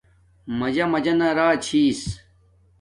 مجݳ مَجَنݳ رݳ چھݵس.